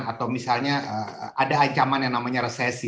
atau misalnya ada ancaman yang namanya resesi